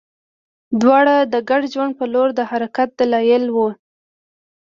دواړه د ګډ ژوند په لور د حرکت دلایل وي.